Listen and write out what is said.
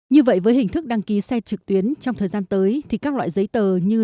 như vậy với hình thức đăng ký xe trực tuyến trong thời gian tới thì các loại giấy tờ như